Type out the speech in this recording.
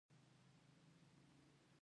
د اوبو میچنې پخوانۍ دي.